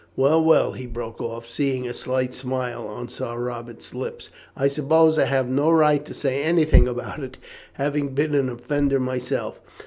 Well, well," he broke off, seeing a slight smile on Sir Robert's lips, "I suppose I have no right to say anything about it, having been an offender myself.